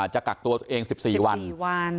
จะกักตัวเองสิบสี่วัน